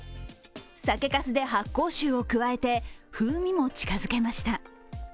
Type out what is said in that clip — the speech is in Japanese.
酒かすで発酵臭を加えて風味も近づけました。